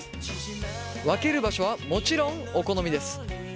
分ける場所はもちろんお好みです。